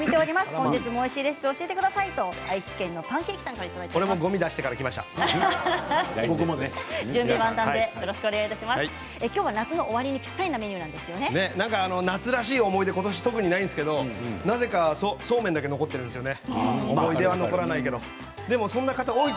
本日もおいしいレシピを教えてくださいと俺もきょうは夏の終わりに夏らしい思い出がことしないんですけれどもなぜかそうめんだけは残っているんですよね。